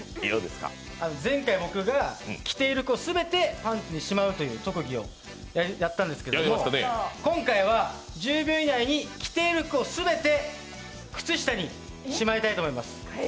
前回、僕が来ている服全てパンツにしまうという芸をお見せしましたけれども今回は、１０秒以内に着ている服を全て靴下にしまいたいと思います。